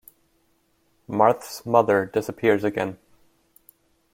Marthe's mother disappears again.